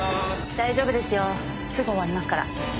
大丈夫ですよすぐ終わりますから